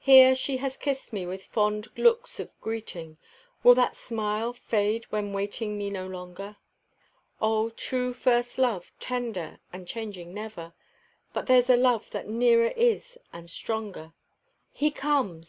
Here she has kissed me with fond looks of greeting; Will that smile fade when waiting me no longer? Oh, true first love, tender and changing never; But there's a love that nearer is and stronger He comes!